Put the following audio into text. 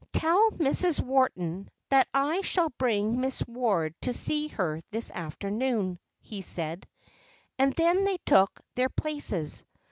"Tell Mrs. Wharton that I shall bring Miss Ward to see her this afternoon," he said; and then they took their places.